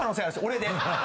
俺で。